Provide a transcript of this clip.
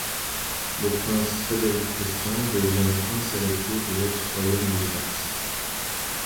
Le prince Frédéric-Christian devient prince héritier de l'ex-Royaume de Saxe.